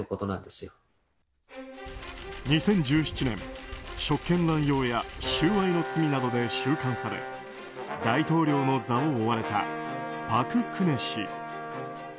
２０１７年職権乱用や収賄の罪などで収監され、大統領の座を追われた朴槿惠氏。